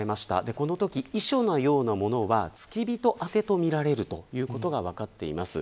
このとき、遺書のようなものは付き人宛てとみられるということが分かっています。